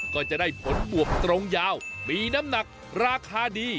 ก็จะได้ผลบวกตรงยาวมีน้ำหนักราคาดี